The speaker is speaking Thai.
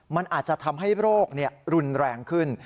มันอาจจะทำให้โรครุนแรงขึ้น